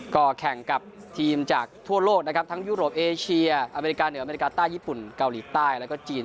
ก็แข่งกับทีมจากทั่วโลกนะครับทั้งยุโรปเอเชียอเมริกาเหนืออเมริกาใต้ญี่ปุ่นเกาหลีใต้แล้วก็จีน